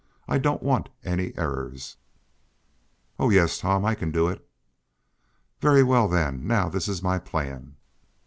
I don't want any errors." "Oh, yes, Tom. I can do it." "Very well, then. Now this is my plan.